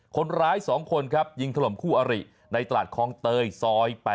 คนร้าย๒คนครับยิงถล่มคู่อริในตลาดคลองเตยซอย๘